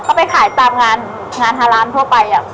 ก็ไปขายตามงานงานทารามทั่วไปอะ